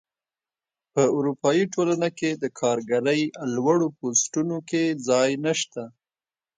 په اروپايي ټولنه کې د کارګرۍ لوړو پوستونو کې ځای نشته.